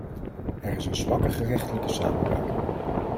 Er is een zwakke gerechtelijke samenwerking.